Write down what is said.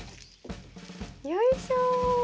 よいしょ。